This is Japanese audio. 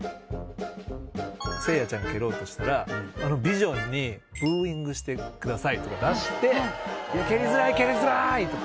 せいやちゃんが蹴ろうとしたらあのビジョンに「ブーイングしてください」とか出して「いや蹴りづらい蹴りづらい！」とか。